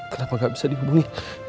kenapa gak bisa dihubungi